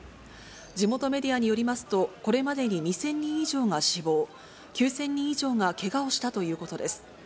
地元メディアによりますと、これまでに２０００人以上が死亡、９０００人以上がけがをしたということです。